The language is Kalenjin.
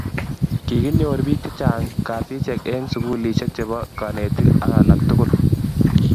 Kikonyor bik che chang kasishek eng sikulishek chebo kanetik ak alak tukul